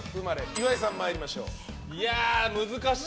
岩井さん、参りましょう。